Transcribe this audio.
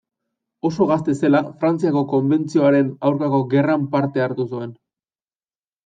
Oso gazte zela Frantziako Konbentzioaren aurkako gerran parte hartu zuen.